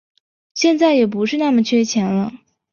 现在也不是那么缺钱了